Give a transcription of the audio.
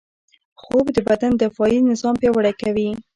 خوب د بدن دفاعي نظام پیاوړی کوي